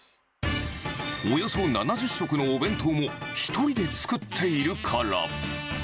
およそ７０食のお弁当も１人で作っているから。